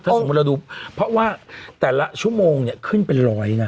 ถ้าสมมุติเราดูเพราะว่าแต่ละชั่วโมงเนี่ยขึ้นเป็นร้อยนะ